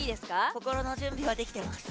心の準備はできてます。